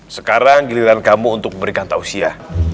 sekarang giliran kamu untuk berikan tausia